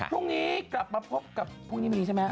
พรุ่งนี้กลับมาพบกับพรุ่งนี้มีใช่ไหม